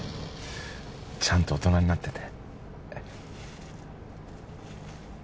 ちゃんと大人になってて